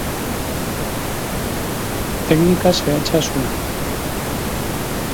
Teknika zehatza zuen.